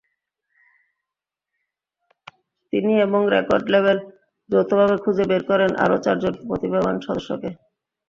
তিনি এবং record label যৌথভাবে খুঁজে বের করেন আরও চারজন প্রতিভাবান সদস্যকে।